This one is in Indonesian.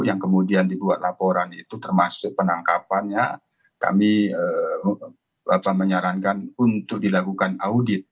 yang kemudian dibuat laporan itu termasuk penangkapannya kami menyarankan untuk dilakukan audit